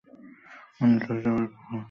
উনি চলে যাবার পর কতদিন গেছে?